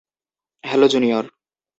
Hello, junior.